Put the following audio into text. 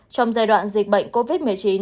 trong giai đoạn dịch bệnh covid một mươi chín